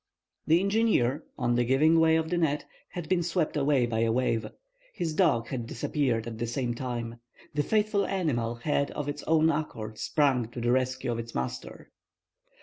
The engineer, on the giving way of the net, had been swept away by a wave. His dog had disappeared at the same time. The faithful animal had of its own accord sprung to the rescue of its master.